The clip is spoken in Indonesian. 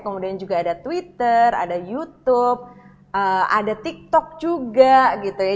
kemudian juga ada twitter ada youtube ada tiktok juga gitu ya